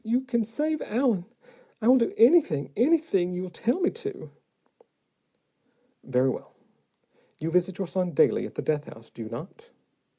You can save Allen. I will do anything, anything you tell me to." "Very well. You visit your son daily at the death house, do you not?"